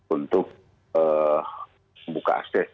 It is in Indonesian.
untuk membuka aset